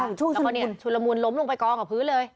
แล้วก็นี่ชุนละมุนล้มลงไปกองกับพื้นเลย